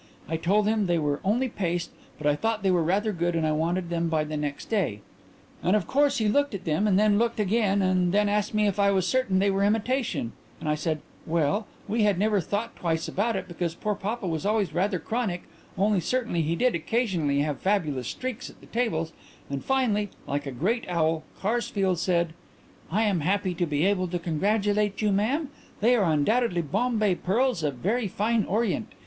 I told him they were only paste but I thought they were rather good and I wanted them by the next day. And of course he looked at them, and then looked again, and then asked me if I was certain they were imitation, and I said, Well, we had never thought twice about it, because poor papa was always rather chronic, only certainly he did occasionally have fabulous streaks at the tables, and finally, like a great owl, Karsfeld said: "'I am happy to be able to congratulate you, madam. They are undoubtedly Bombay pearls of very fine orient.